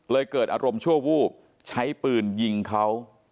เกิดอารมณ์ชั่ววูบใช้ปืนยิงเขา